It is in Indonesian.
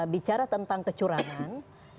bicara tentang kecurangan